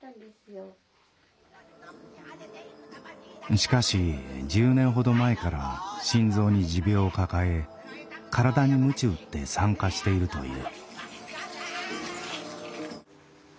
しかし１０年ほど前から心臓に持病を抱え体にむち打って参加しているという。